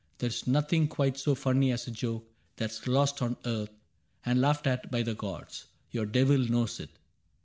There 's nothing quite So funny as a joke that 's lost on earth And laughed at by the gods. Your devil knows it.